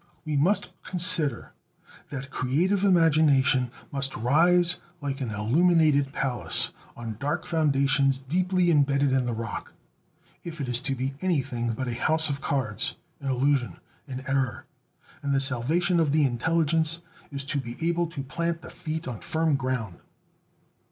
We must consider that creative imagination must rise like an illuminated palace, on dark foundations deeply imbedded in the rock, if it is to be anything but a house of cards, an illusion, an error; and the salvation of the intelligence is "to be able to plant the feet on firm ground."